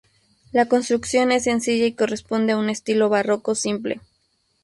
La construcción es sencilla y corresponde a un estilo barroco simple.